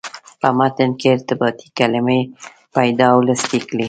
په متن کې ارتباطي کلمې پیدا او لست یې کړئ.